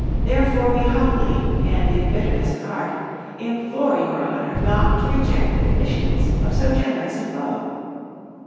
Therefore we humbly and in bitterness of heart, implore your Honour not to reject the conditions of so generous a foe."